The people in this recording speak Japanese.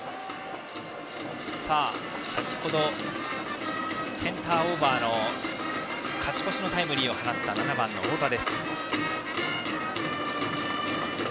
先程、センターオーバーの勝ち越しのタイムリーを放った７番の太田。